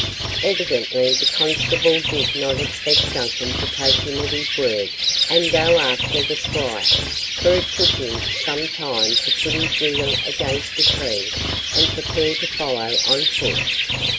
Evidently the constable did not expect Duncan to take him at his word, and go after the squire, for it took him some time to put his wheel against a tree and prepare to follow on foot.